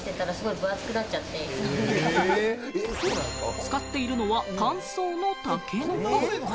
使っているのは乾燥のタケノコ。